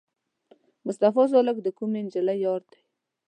مصطفی سالک د کومې جینۍ یار دی؟